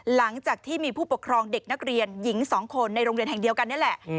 หลังจากที่มีผู้ปกครองเด็กนักเรียนหญิง๒คนในโรงเรียนแห่งเดียวกันนี่แหละ